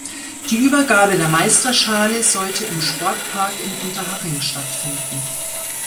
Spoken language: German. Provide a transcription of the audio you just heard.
Die Übergabe der Meisterschale sollte im Sportpark in Unterhaching stattfinden.